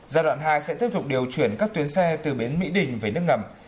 giai đoạn hai sẽ tiếp tục điều chuyển các tuyến xe từ bến mỹ đình về nước ngầm